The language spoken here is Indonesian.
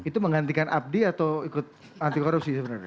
itu menggantikan abdi atau ikut anti korupsi sebenarnya